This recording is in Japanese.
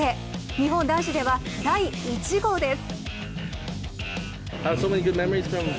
日本男子では第１号です。